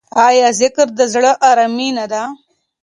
آیا ذکر د زړه ارامي نه ده؟